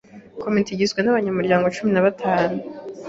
Komite igizwe n’abanyamuryango cumi na batanu.